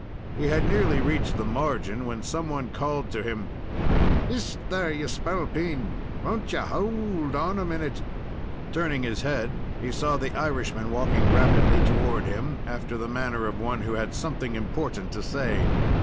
He had nearly reached the margin, when some one called to him: "Hist, there, ye spalpeen! Won't ye howld on a minute?" Turning his head, he saw the Irishman walking rapidly toward him, after the manner of one who had something important to say.